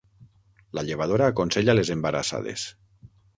La llevadora aconsella les embarassades.